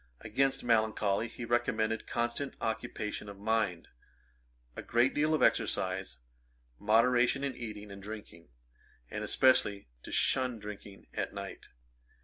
Against melancholy he recommended constant occupation of mind, a great deal of exercise, moderation in eating and drinking, and especially to shun drinking at night.